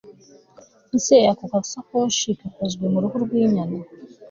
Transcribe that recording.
ese ako gasakoshi kakozwe mu ruhu rwinyana